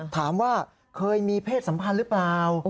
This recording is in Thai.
ถามว่าเคยมีเพศสัมพันธ์หรือเปล่า